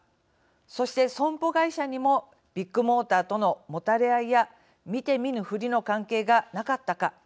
そして、損保会社にもビッグモーターとのもたれ合いや見て見ぬふりの関係がなかったか。